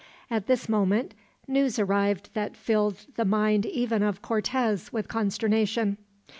At this moment news arrived that filled the mind even of Cortez with consternation.